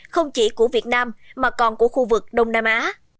không chỉ của việt nam mà còn của khu vực đông nam á